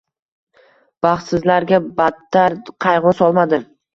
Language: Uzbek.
Baxtsizlarga badtar qayg‘u solmadim.